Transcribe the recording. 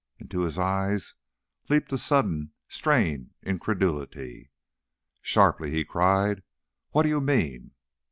Into his eyes leaped a sudden, strained incredulity. Sharply, he cried, "What do you mean?"